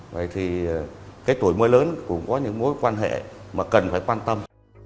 vậy thì cái tuổi mưa lớn cũng có những mối quan hệ mà cần phải quan tâm